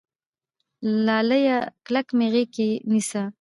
لاليه کلک مې غېږ کې نيسه